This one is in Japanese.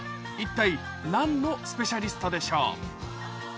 一体何のスペシャリストでしょう？